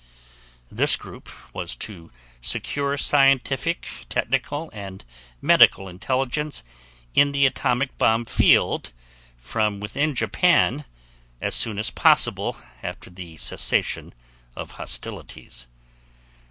This Group was to secure scientific, technical and medical intelligence in the atomic bomb field from within Japan as soon as possible after the cessation of hostilities.